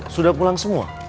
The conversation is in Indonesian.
sudah pulang semua